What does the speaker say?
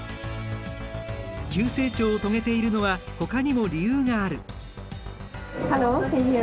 急成長を遂げているのはほかにも理由がある。